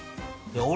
俺。